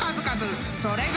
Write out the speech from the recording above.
［それが］